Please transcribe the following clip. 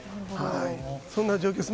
そんな状況です。